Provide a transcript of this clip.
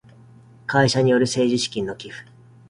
会社による政治資金の寄付